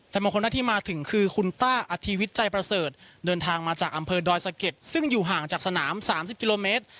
แต่บางคนหน้าที่มาถึงคือคุณป้าอธิวิทย์ใจประเสริฐเดินทางมาจากอำเภอดอยสะเก็ดซึ่งอยู่ห่างจากสนาม๓๐กิโลเมตร